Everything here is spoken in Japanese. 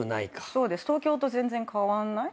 そうです東京と全然変わんない。